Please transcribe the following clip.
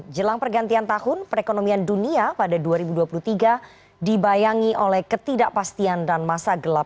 jelang pergantian tahun perekonomian dunia pada dua ribu dua puluh tiga dibayangi oleh ketidakpastian dan masa gelap